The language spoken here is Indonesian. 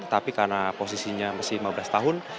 tetapi karena posisinya masih lima belas tahun